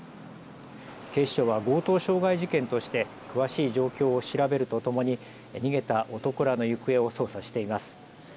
警視庁は強盗傷害事件として詳しい状況を調べるとともに逃げた男らの行方を捜査しています。